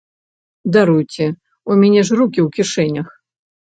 Даруйце, у мяне ж рукі ў кішэнях.